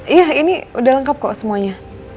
iya ini udah lengkap kok semuanya